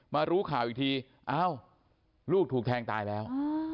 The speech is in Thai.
รู้ข่าวอีกทีอ้าวลูกถูกแทงตายแล้ว